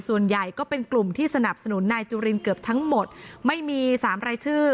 ส่วนใหญ่ก็เป็นกลุ่มที่สนับสนุนนายจุลินเกือบทั้งหมดไม่มีสามรายชื่อ